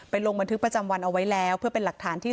ลงบันทึกประจำวันเอาไว้แล้วเพื่อเป็นหลักฐานที่